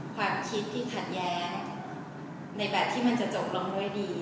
ความคิดที่ขัดแย้งในแบบที่มันจะจบลงด้วยดี